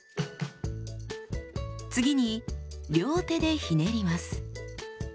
次に両手でひねります。